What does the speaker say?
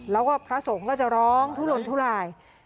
แล้วก็พระสงฆ์ก็จะร้องทุลนทุลาย